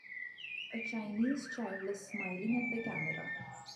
A Chinese child is smiling at the camera.